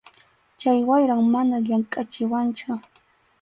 Chay wayram mana llamkʼachiwanchu.